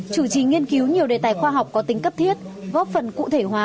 chủ trì nghiên cứu nhiều đề tài khoa học có tính cấp thiết góp phần cụ thể hóa